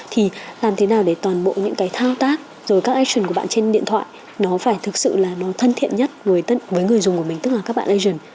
thì làm thế nào để toàn bộ những cái thao tác rồi các ation của bạn trên điện thoại nó phải thực sự là nó thân thiện nhất với người dùng của mình tức là các bạn ation